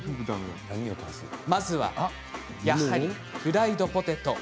まずはやはりフライドポテト。